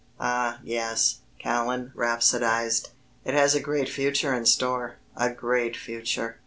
"Ah, yes," Callan rhapsodised, "it has a great future in store, a great future.